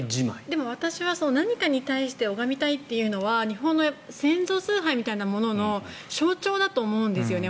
でも私は何かに対して拝みたいというのは日本の先祖崇拝みたいなものの象徴だと思うんですよね。